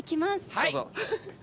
はい。